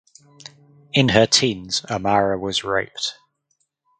In her teens Amara was raped.